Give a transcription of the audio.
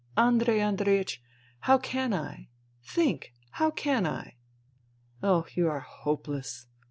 . Andrei Andreiech, how can I ? Think ! how can I ? Oh, you are hopeless